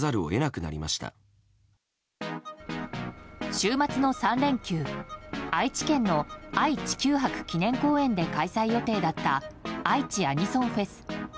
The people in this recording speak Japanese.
週末の３連休愛知県の愛・地球博記念公園で開催予定だったＡｉｃｈｉアニソンフェス。